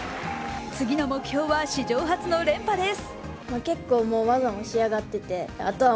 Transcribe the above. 次の目標は史上初の連覇です。